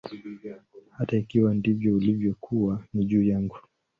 Hata ikiwa ndivyo ilivyokuwa, ni juu yangu.